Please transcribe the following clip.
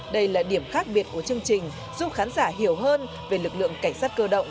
đây là điểm khác biệt của chương trình giúp khán giả hiểu hơn về lực lượng cảnh sát cơ động